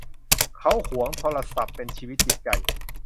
เขาหวงโทรศัพท์เป็นชีวิตจิตใจ